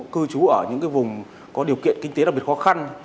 cư trú ở những vùng có điều kiện kinh tế đặc biệt khó khăn